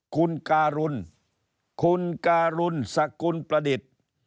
คุณการุลคุณการุณสกุลประดิษฐ์